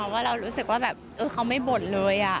ว่าเรารู้สึกว่าแบบเขาไม่บ่นเลย